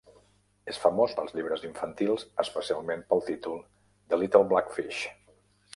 És famós pels llibres infantils, especialment pel títol "The Little Black Fish".